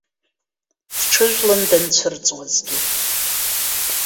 Дҽыжәлан данцәырҵуазгьы.